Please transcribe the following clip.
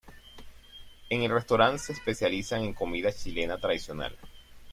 El restaurante se especializa en comida chilena tradicional.